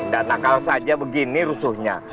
dan nakal saja begini rusuhnya